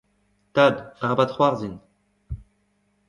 Tad, arabat c’hoarzhin.